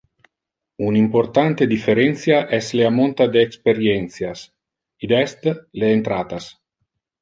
Un importante differentia es le amonta de experientias, i.e. le entratas.